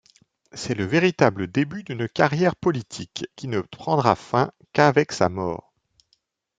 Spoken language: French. C'est le véritable début d'une carrière politique qui ne prendra fin qu'avec sa mort.